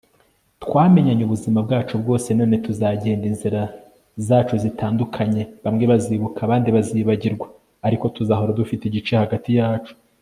twamenyanye ubuzima bwacu bwose none tuzagenda inzira zacu zitandukanye bamwe bazibuka abandi bazibagirwa, ariko tuzahora dufite igice hagati yacu